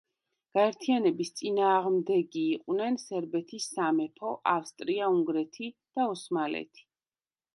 გაერთიანების წინააღმდეგი იყვნენ სერბეთის სამეფო, ავსტრია-უნგრეთი და ოსმალეთი.